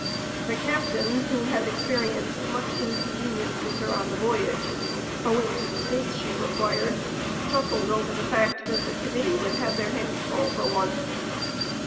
The captain, who had experienced much inconvenience with her on the voyage, owing to the space she required chuckled over the fact that the Committee would have their hands full for once.